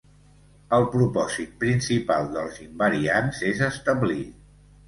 El propòsit principal dels invariants és establir.